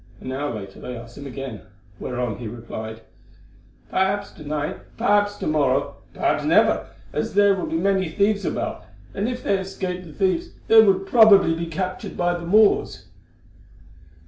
An hour later they asked him again, whereon he replied: Perhaps to night, perhaps to morrow, perhaps never, as there were many thieves about, and if they escaped the thieves they would probably be captured by the Moors.